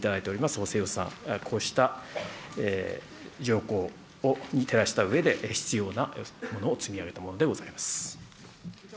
補正予算、こうした条項に照らしたうえで、必要なものを積み上げたものでございます。